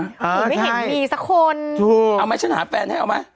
หนูไม่เห็นมีสักคนถูกเอาไหมฉันหาแฟนให้เอาไหม